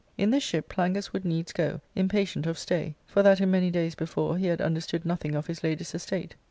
In this ship Plangus would needs go, impatient of stay, for that in many days before he had understood nothing of his lady's estate.